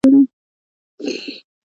آیا پاک دې نه وي زموږ زړونه؟